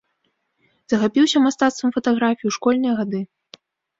Захапіўся мастацтвам фатаграфіі ў школьныя гады.